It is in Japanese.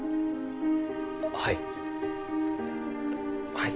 はい。